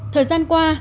thời gian qua